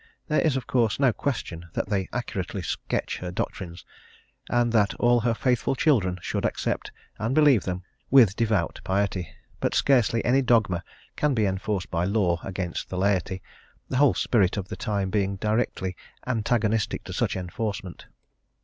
There is, of course, no question that they accurately sketch her doctrines, and that all her faithful children should accept and believe them with devout piety, but scarcely any dogma can be enforced by law against the laity, the whole spirit of the time being directly antagonistic to such enforcement.